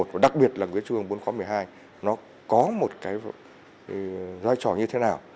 và đặc biệt là nghị quyết trung ương bốn khóa một mươi hai nó có một cái vai trò như thế nào